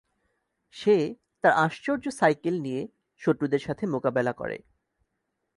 সে তার আশ্চর্য সাইকেল নিয়ে শত্রুদের সাথে মোকাবেলা করে।